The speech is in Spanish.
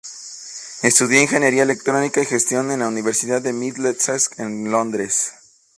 Estudió ingeniería electrónica y gestión en la Universidad de Middlesex, de Londres.